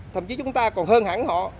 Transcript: thậm chí chúng ta còn hơn hẳn họ